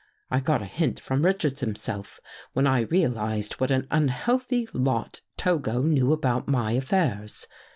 I got a hint from Richards himself, when I realized what an unhealthy lot Togo knew about my affairs.